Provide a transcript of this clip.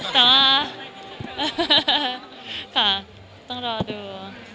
ค่ะต้องรอดู